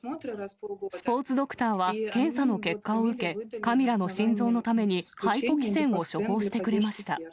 スポーツドクターは検査の結果を受け、カミラの心臓のためにハイポキセンを処方してくれました。